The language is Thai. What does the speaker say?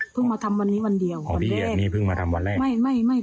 พึ่งมาทำวันนี้วันเดียววันแรกอ๋อดีไหมพึ่งมาทำวันแรกไม่